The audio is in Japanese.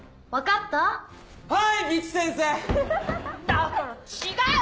だから違う！